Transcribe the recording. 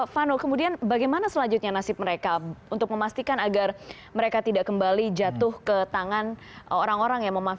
vano kemudian bagaimana selanjutnya nasib mereka untuk memastikan agar mereka tidak kembali jatuh ke tangan orang orang yang memanfaatkan